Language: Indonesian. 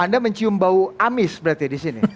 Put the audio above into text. anda mencium bau amis berarti disini